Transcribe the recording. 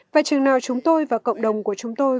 vậy chừng nào chúng tôi và cộng đồng của chúng tôi